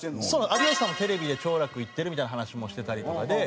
有吉さんもテレビで兆楽行ってるみたいな話もしてたりとかで。